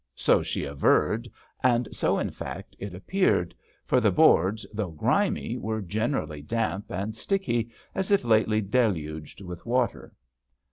So she averred, and so, in fact, it appeared, for the boards, though grimy, were generally damp and sticky as if lately deluged with water.